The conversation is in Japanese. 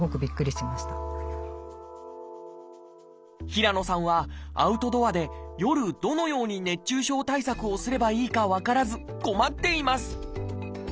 平野さんはアウトドアで夜どのように熱中症対策をすればいいか分からず困っています